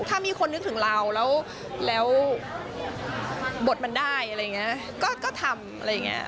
ถ้ามีคนนึกถึงเราแล้วบทมันได้อะไรอย่างนี้ก็ทำอะไรอย่างนี้